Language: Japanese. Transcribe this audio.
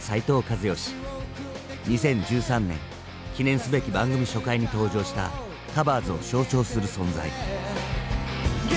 ２０１３年記念すべき番組初回に登場した「カバーズ」を象徴する存在。